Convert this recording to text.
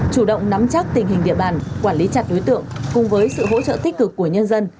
chủ động nắm chắc tình hình địa bàn quản lý chặt đối tượng cùng với sự hỗ trợ tích cực của nhân dân